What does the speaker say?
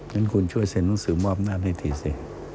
งั้นคุณช่วยเซ็นหนังสือมอบนาธิ์ได้ดีสิ